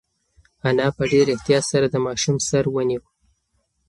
انا په ډېر احتیاط سره د ماشوم سر ونیو.